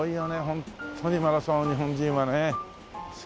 ホントにマラソン日本人は好きだからね。